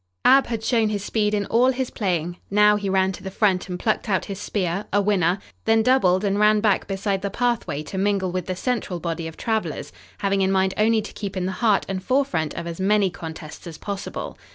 Ab had shown his speed in all his playing. Now he ran to the front and plucked out his spear, a winner, then doubled and ran back beside the pathway to mingle with the central body of travelers, having in mind only to keep in the heart and forefront of as many contests as possible.